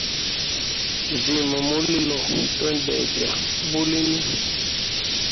Zima mulilo twene bebya ubulimi.